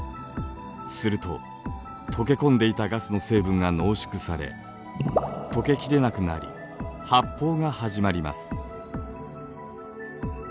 するととけ込んでいたガスの成分が濃縮されとけきれなくなり発泡が始まります。